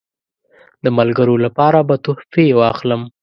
د ملګرو لپاره به تحفې واخلم.